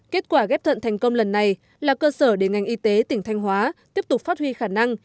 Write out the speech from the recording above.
kết quả ghép thận thành công lần này là cơ sở để ngành y tế tỉnh thanh hóa tiếp tục phát huy khả năng